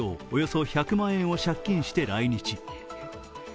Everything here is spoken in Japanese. およそ１００万円を借金して来日。